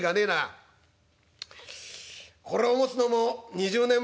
これを持つのも２０年ぶり」。